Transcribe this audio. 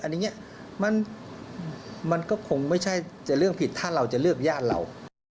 อันนี้มันก็คงไม่ใช่จะเรื่องผิดถ้าเราจะเลือกญาติเรา